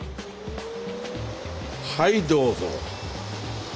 はいどうぞ。